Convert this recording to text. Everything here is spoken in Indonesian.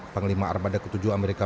panglima armada ke tujuh amerika